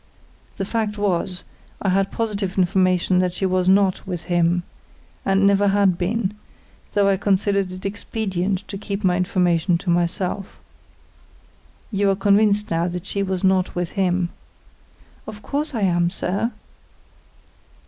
The fact was, I had positive information that she was not with him, and never had been, though I considered it expedient to keep my information to myself. You are convinced now that she was not with him?" "Of course I am, sir."